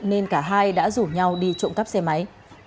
nên cả hai đã rủ nhau đi trộm cắp xe máy